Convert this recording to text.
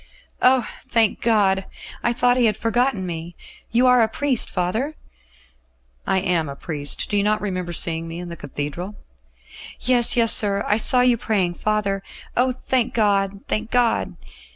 "Oh! thank God! I thought He had forgotten me. You are a priest, father?" "I am a priest. Do you not remember seeing me in the Cathedral?" "Yes, yes, sir; I saw you praying, father. Oh! thank God, thank God!"